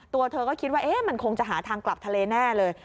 ตัวเธอก็คิดว่ามันคงจะหาทางกลับทะเลแน่เลย